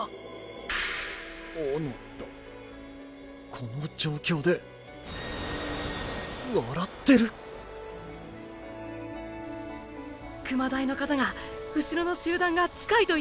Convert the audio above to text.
この状況で笑ってる⁉熊台の方がうしろの集団が近いと言ってました。